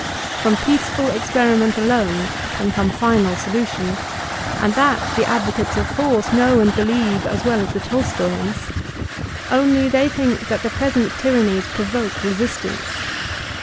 From peaceful experi ment akme can come final solution, and that the advo cates of force know and belic\'c as well as the Tolstoyans. Only they think that the present tyrannies provoke re sistance.